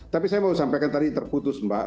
tapi saya mau sampaikan tadi terputus mbak